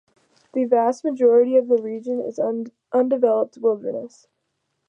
The vast majority of the region is undeveloped wilderness.